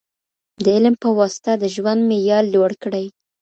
د علم په واسطه د ژوند معيار لوړ کړئ.